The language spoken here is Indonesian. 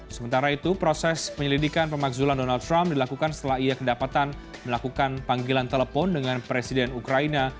sementara itu proses penyelidikan pemakzulan donald trump dilakukan setelah ia kedapatan melakukan panggilan telepon dengan presiden ukraina